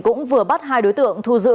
cũng vừa bắt hai đối tượng thu giữ